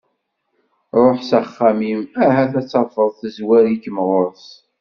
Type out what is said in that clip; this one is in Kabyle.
Ruḥ s axxam-im ahat ad tt-tafeḍ tezwar-ikem ɣer-s.